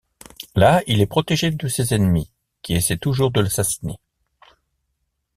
Là il est protégé de ses ennemis, qui essaient toujours de l'assassiner.